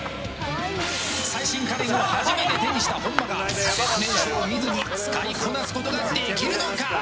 最新家電を初めて手にした本間が説明書を見ずに使いこなすことができるのか。